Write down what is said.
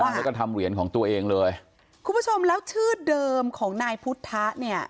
แล้วก็ทำเหรียญของตัวเองเลยคุณผู้ชมแล้วชื่อเดิมของนายพุทธะเนี่ย